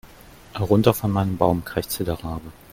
Runter von meinem Baum, krächzte der Rabe.